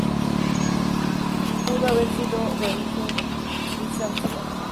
Pudo haber sido de origen circasiano, georgiano o cumano.